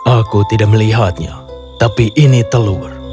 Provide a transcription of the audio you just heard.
aku tidak melihatnya tapi ini telur